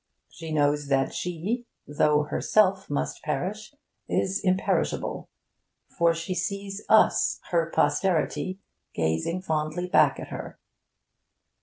She knows that she, though herself must perish, is imperishable; for she sees us, her posterity, gazing fondly back at her.